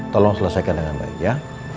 tolong selesaikan dengan baik ya